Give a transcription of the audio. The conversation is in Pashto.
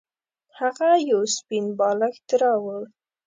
هغه یو سپین بالښت راوړ.